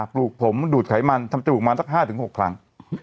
ปลูกผมดูดไขมันทำจมูกมันสัก๕๖ครั้ง